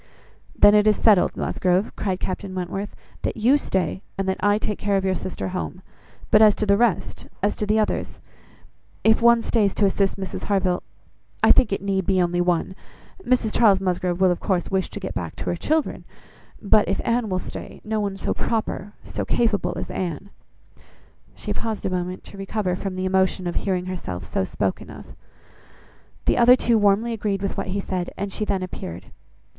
"Then it is settled, Musgrove," cried Captain Wentworth, "that you stay, and that I take care of your sister home. But as to the rest, as to the others, if one stays to assist Mrs Harville, I think it need be only one. Mrs Charles Musgrove will, of course, wish to get back to her children; but if Anne will stay, no one so proper, so capable as Anne." She paused a moment to recover from the emotion of hearing herself so spoken of. The other two warmly agreed with what he said, and she then appeared.